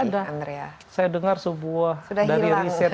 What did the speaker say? dari riset ini